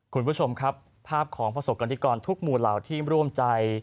คุณผู้ชมครับภาพของประสบกรณิกรทุกหมู่เหล่าที่ร่วมใจ